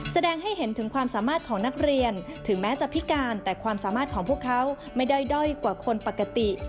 แสดงให้เห็นถึงความสามารถของนักเรียนถึงแม้จะพิการแต่ความสามารถของพวกเขาไม่ได้ด้อยกว่าคนปกติ